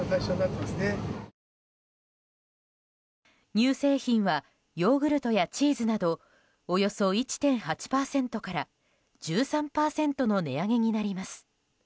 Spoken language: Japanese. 乳製品はヨーグルトやチーズなどおよそ１．８％から１３％の値上げになります。